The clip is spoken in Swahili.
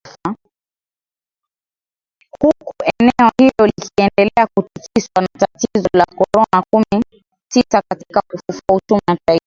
Huku eneo hilo likiendelea kutikiswa na tatizo la korona kumi tisa katika kufufua uchumi wa taifa